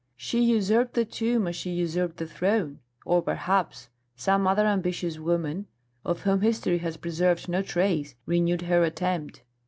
She usurped the tomb as she usurped the throne. Or perhaps some other ambitious woman, of whom history has preserved no trace, renewed her attempt."